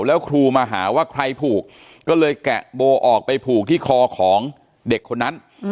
แล้วครูมาหาว่าใครผูกก็เลยแกะโบออกไปผูกที่คอของเด็กคนนั้น